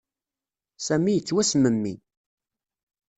Sami yettwasmemmi.